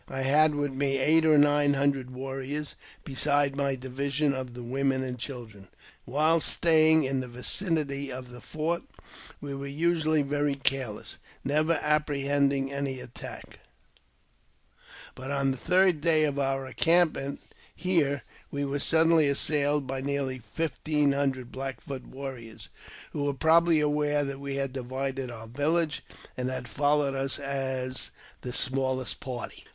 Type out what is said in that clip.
I had with me eight or nine hundred warriors, besides my division of the women and children. While staying in the vicinity of the fort we were usually very careless, never apprehending any attack ; but on the third day of our encampment here we were suddenly assailed by nearly fifteen hundred Black Foot warriors, who were probably aware that we had divided our village, and had followed us as the smallest party.